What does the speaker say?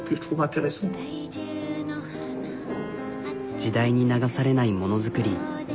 時代に流されないもの作り。